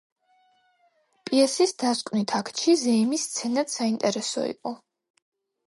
პიესის დასკვნით აქტში ზეიმის სცენაც საინტერესო იყო.